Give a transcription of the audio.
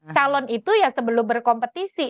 calon itu ya sebelum berkompetisi